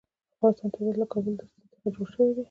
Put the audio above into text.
د افغانستان طبیعت له د کابل سیند څخه جوړ شوی دی.